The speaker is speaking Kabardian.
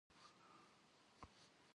'ejeğu vudınıhş.